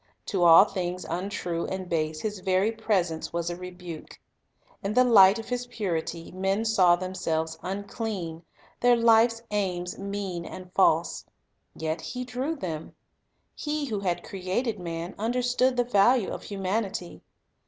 To all things untrue and base His very presence was a rebuke. In the light of His purity, men saw themselves unclean, their life's aims mean and false. Yet He drew them. He who had created man, understood the value of humanity.